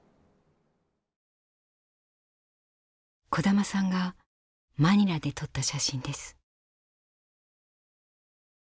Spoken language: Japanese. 小玉さんがマニラで撮った写真です。